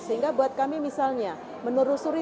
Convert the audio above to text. sehingga buat kami misalnya menelusuri